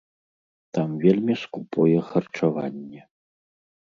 Там вельмі скупое харчаванне.